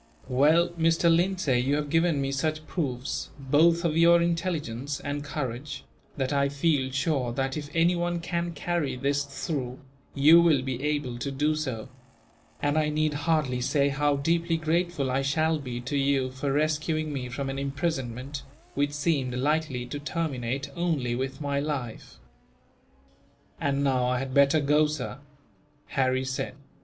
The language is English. "Well, Mr. Lindsay, you have given me such proofs, both of your intelligence and courage, that I feel sure that, if anyone can carry this through, you will be able to do so; and I need hardly say how deeply grateful I shall be, to you, for rescuing me from an imprisonment which seemed likely to terminate only with my life." "And now I had better go, sir," Harry said.